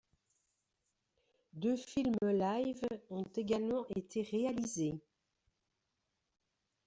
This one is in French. Deux films live ont également été réalisés.